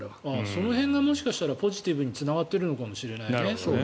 その辺がもしかしたらポジティブにつながっているのかもしれない。